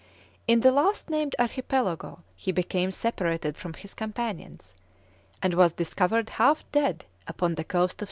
In the last named archipelago he became separated from his companions, and was discovered half dead upon the coast of Sumatra.